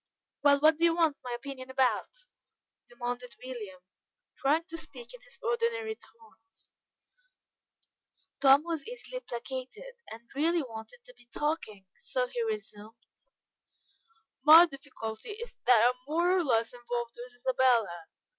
"Well, what do you want my opinion about?" demanded William, trying to speak in his ordinary tones. Tom was easily placated, and really wanted to be talking, so he resumed: "My difficulty is that I am more or less involved with Isabella.